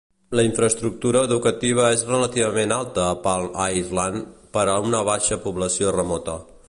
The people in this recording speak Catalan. La infraestructura educativa és relativament alta a Palm Island per a una baixa població remota.